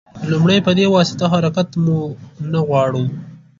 لومړی په دې واسطه حرکت مو نه غواړو.